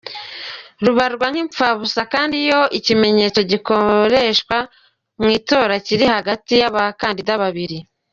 Rubarwa nk’impfabusa kandi iyo ikimenyetso gikoreshwa mu itora kiri hagati y’abakandida babiri.